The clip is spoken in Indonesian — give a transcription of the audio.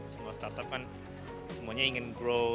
semua startup ingin berkembang